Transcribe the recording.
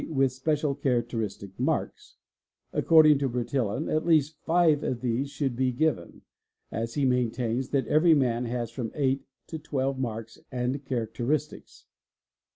with special characteristic marks. According to Bertillon at least 5 of these should be given, as he maintains that every man has from 8 to 12 marks and characteristics.